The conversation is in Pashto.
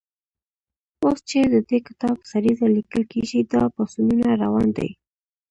اوس چې د دې کتاب سریزه لیکل کېږي، دا پاڅونونه روان دي.